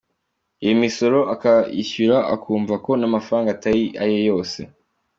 Iyo misoro akayishyura akumva ko n’amafaranga atari aye yose.